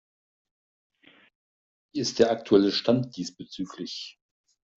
Wie ist der aktuelle Stand diesbezüglich?